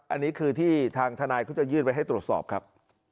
อันนี้คือที่ทางทนายเขาจะยื่นไว้ให้ตรวจสอบครับ